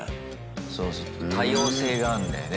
そうそう多様性があんだよね